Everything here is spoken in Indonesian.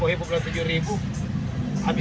kalau dia menangkap rp dua maka dia bisa menangkap rp dua